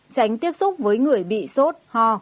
hai tránh tiếp xúc với người bị sốt ho